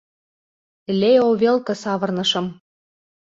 Лео велке савырнышым.